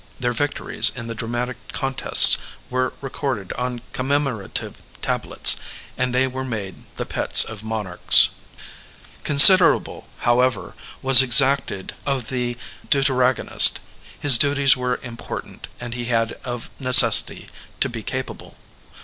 Their victories in the dramatic contests were re corded on commemorative tablets, and they were made the pets of monarchs. Considerable, however, was exacted of the deu teragonist; his duties were important and he had of necessity to be capable.